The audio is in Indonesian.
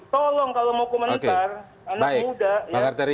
tolong kalau mau komentar